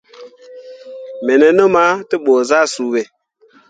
Me nenum ah te ɓu zah suu ɓe.